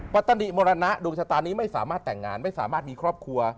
ปฏิมรณะดวงชะตานี้ไม่สามารถแต่งงานไม่สามารถมีครอบครัว